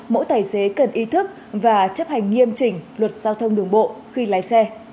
mỗi tài xế cần ý thức và chấp hành nghiêm chỉnh luật giao thông đường bộ khi lái xe